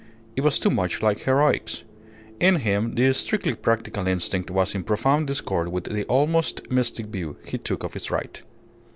It was too much like heroics. In him the strictly practical instinct was in profound discord with the almost mystic view he took of his right.